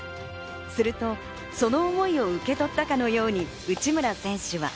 するとその思いを受け取ったかのように、内村選手は。